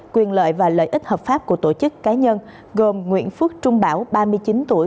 quyền lợi và lợi ích hợp pháp của tổ chức cá nhân gồm nguyễn phước trung bảo ba mươi chín tuổi